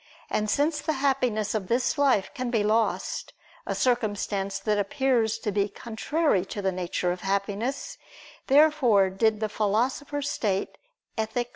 And since the happiness of this life can be lost, a circumstance that appears to be contrary to the nature of happiness, therefore did the Philosopher state (Ethic.